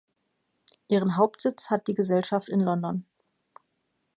Ihren Hauptsitz hat die Gesellschaft in London.